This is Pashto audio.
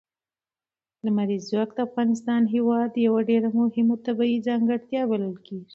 لمریز ځواک د افغانستان هېواد یوه ډېره مهمه طبیعي ځانګړتیا بلل کېږي.